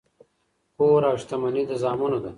کور او شتمني د زامنو ده.